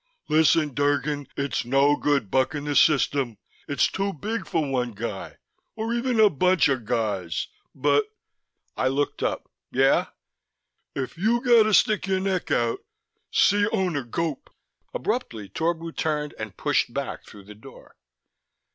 "Listen, Drgon. It's no good buckin' the system: it's too big for one guy ... or even a bunch of guys ... but " I looked up. "Yeah?" "... if you gotta stick your neck out see Owner Gope." Abruptly Torbu turned and pushed back through the door.